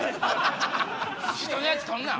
人のやつ取るな！